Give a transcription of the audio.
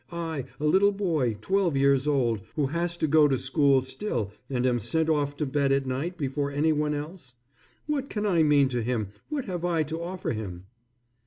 "I, a little boy, twelve years old, who has to go to school still and am sent off to bed at night before anyone else? What can I mean to him, what have I to offer him?"